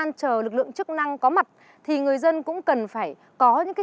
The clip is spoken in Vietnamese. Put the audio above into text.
nhưng mà có một người bị tháo đá hay sao